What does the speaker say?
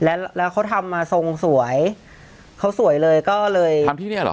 แล้วแล้วเขาทำมาทรงสวยเขาสวยเลยก็เลยทำที่เนี้ยเหรอ